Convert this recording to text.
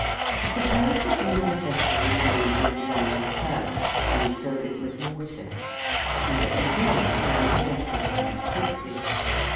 Suppose that we had a vessel lined with long fur, and filled it with water, and that we then turned the vessel round quickly.